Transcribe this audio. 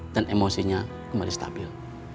dan emosinya kembali stabil